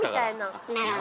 なるほど。